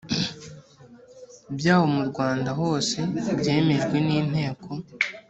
byawo mu rwanda hose byemejwe n inteko